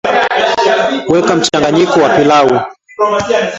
weka mchanganyiko wa pilau